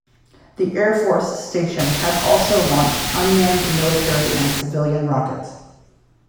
The Air Force Station has also launched unmanned military and civilian rockets.